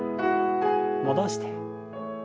戻して。